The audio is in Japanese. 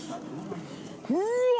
うわ！